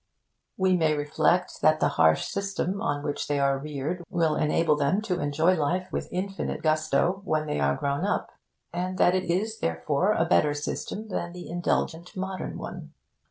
We may reflect that the harsh system on which they are reared will enable them to enjoy life with infinite gusto when they are grown up, and that it is, therefore, a better system than the indulgent modern one.